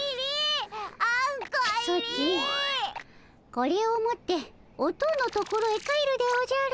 これを持っておとおのところへ帰るでおじゃる。